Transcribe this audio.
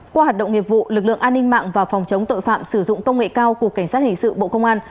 qua hoạt động nghiệp vụ lực lượng an ninh mạng và phòng chống tội phạm sử dụng công nghệ cao của cảnh sát hình sự bộ công an